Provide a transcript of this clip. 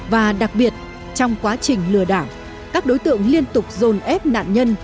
và đặc biệt trong quá trình lừa đảo các đối tượng liên tục dồn ép nạn nhân